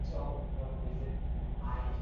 Otning urg‘ochisi.